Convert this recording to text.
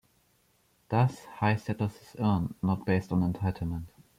Thus high status is earned, not based on entitlement.